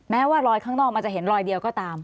ว่ารอยข้างนอกมันจะเห็นรอยเดียวก็ตาม